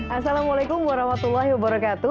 assalamualaikum warahmatullahi wabarakatuh